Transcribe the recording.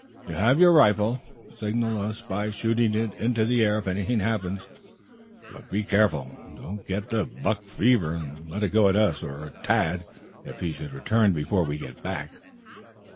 "You have your rifle. Signal us by shooting into the air if anything happens. But be careful. Don't get the 'buck fever' and let go at us, or at Tad, if he should return before we get back."